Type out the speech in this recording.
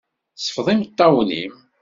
Sfeḍ imeṭṭawen-im.